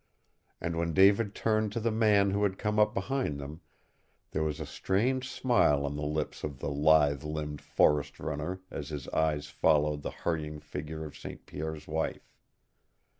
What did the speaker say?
And when David turned to the man who had come up behind them, there was a strange smile on the lips of the lithe limbed forest runner as his eyes followed the hurrying figure of St. Pierre's wife.